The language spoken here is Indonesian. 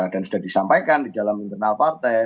dan sudah disampaikan di dalam internal partai